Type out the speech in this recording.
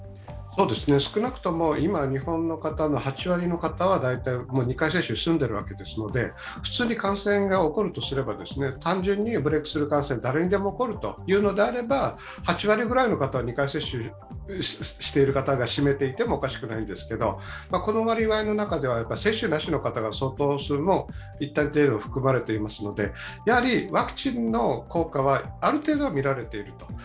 少なくとも今、日本の方の８割りの方は大体２回接種が済んでいるわけですので、普通に感染が起こるとすれば単純にブレークスルー感染誰にでも起こるというのであれば、８割くらいの方は２回接種している方が占めていてもおかしくないんですけれども、この割合の中では接種なしの方が相当数含まれていますので、ワクチンの効果はある程度はみられている。